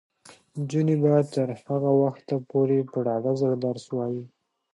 نجونې به تر هغه وخته پورې په ډاډه زړه درس وايي.